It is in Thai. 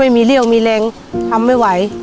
ไม่มีเรี่ยวมีแรงทำไม่ไหว